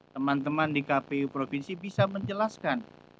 teman teman di kpu provinsi bisa menjelaskan